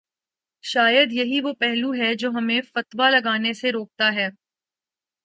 شاید یہی وہ پہلو ہے جو ہمیں فتوی لگانے سے روکتا ہے۔